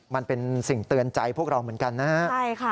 มันเป็นสิ่งเตือนใจพวกเราเหมือนกันนะฮะใช่ค่ะ